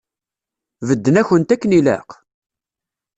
Bedden-akent akken ilaq?